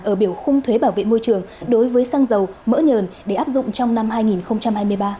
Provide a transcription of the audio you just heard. ở biểu khung thuế bảo vệ môi trường đối với xăng dầu mỡ nhờn để áp dụng trong năm hai nghìn hai mươi ba